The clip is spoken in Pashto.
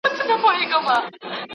هغه هلک ډېر لایق دی.